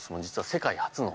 世界初の。